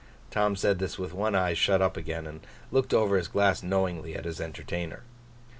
Tom said this with one eye shut up again, and looking over his glass knowingly, at his entertainer.